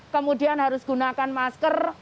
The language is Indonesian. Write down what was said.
kemudian harus gunakan masker